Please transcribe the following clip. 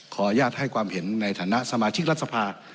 อนุญาตให้ความเห็นในฐานะสมาชิกรัฐสภา